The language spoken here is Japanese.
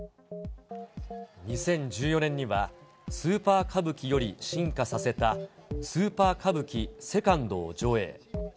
２０１４年にはスーパー歌舞伎より進化させた、スーパー歌舞伎ＩＩを上演。